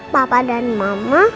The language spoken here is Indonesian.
papa dan mama